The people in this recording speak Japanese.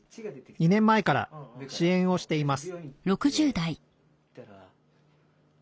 ２年前から支援をしています